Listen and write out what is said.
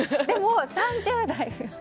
でも、３０代。